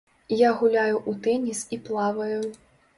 Я гуляю ў тэніс і плаваю.